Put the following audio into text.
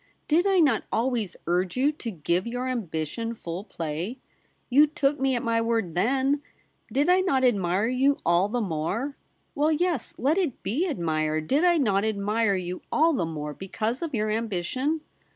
Did I not always urge you to give your ambi tion full play ? You took me at my word then ? Did I not admire you all the more ?— well, yes, let it be admire — did I not admire you all the more because of your ambition